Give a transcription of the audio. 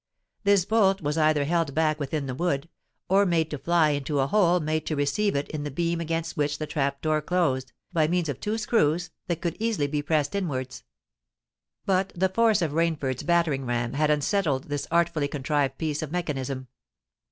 This bolt was either held back within the wood, or made to fly into a hole made to receive it in the beam against which the trap door closed, by means of two screws that could easily be pressed inwards. But the force of Rainford's battering ram had unsettled this artfully contrived piece of mechanism.